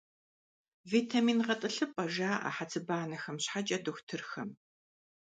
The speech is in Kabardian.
«Витамин гъэтӀылъыпӀэ» жаӀэ хьэцыбанэхэм щхьэкӀэ дохутырхэм.